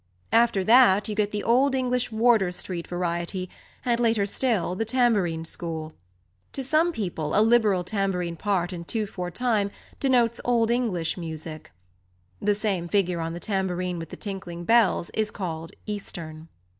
After that you get the Old English Wardour Street variety, and, later still, the tambourin school. To some people a liberal tambourin part in two four time denotes "Old English" music: [Illustration: fragment of music] (The same figure on the tambourin with the tinkling bells, is called "Eastern.")